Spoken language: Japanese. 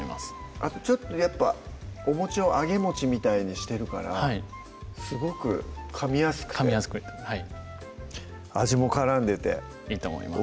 あとちょっとやっぱおを揚げみたいにしてるからすごくかみやすくて味も絡んでていいと思います